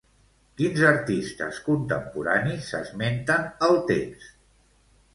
Quins artistes contemporanis s'esmenten al text?